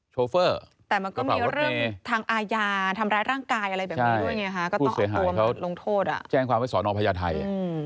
แจ้งความว่าสอนอพญาไทย